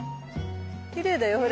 きれいだよほら。